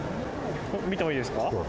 見てもいいですか？